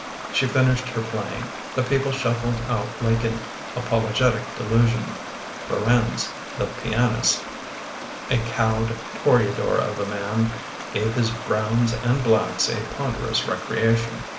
She finished her playing; the people shuffled out like an apologetic delusion. Ferenz, the pianist, a cowed Torea dor of a man, gave his browns and blacks a ponderous recreation.